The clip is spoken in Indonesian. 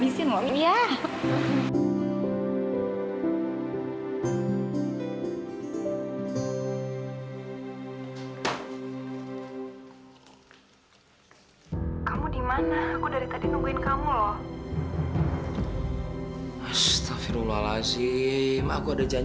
sampai jumpa di video selanjutnya